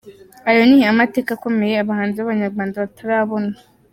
Ayo ni amateka akomeye abahanzi b’abanyarwanda batarabona.